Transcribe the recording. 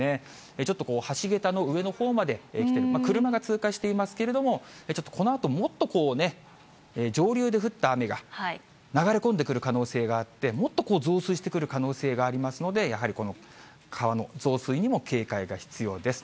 ちょっとこう、橋桁の上のほうまで来てる、車が通過していますけれども、ちょっとこのあと、もっと上流で降った雨が流れ込んでくる可能性があって、もっと増水してくる可能性がありますので、やはりこの川の増水にも警戒が必要です。